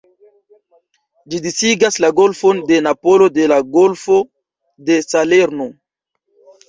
Ĝi disigas la Golfon de Napolo de la Golfo de Salerno.